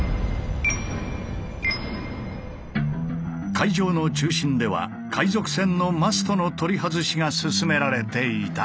会場の中心では海賊船のマストの取り外しが進められていた。